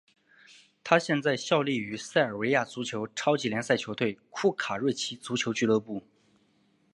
他现在效力于塞尔维亚足球超级联赛球队库卡瑞奇足球俱乐部。